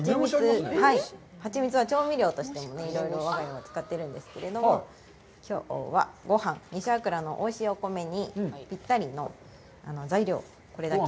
ハチミツは、調味料としても、我が家は使っているんですけど、きょうは、ごはん、西粟倉のおいしいお米にぴったりの材料、これだけ。